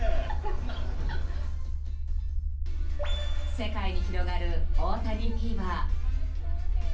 世界に広がる大谷フィーバー。